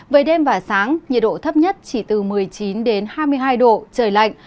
về đêm và sáng nhiệt độ thấp nhất chỉ từ một mươi chín hai mươi hai độ trời lạnh